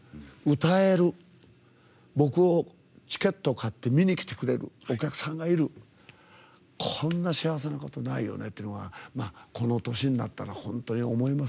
歌える、僕をチケット買って見に来てくれるお客さんがいるこんな幸せなことないよねっていうのがこの年になったら本当に思います。